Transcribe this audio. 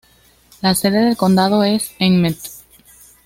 La sede del condado es Emmett.